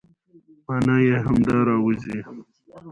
مانا يې همدا راوځي،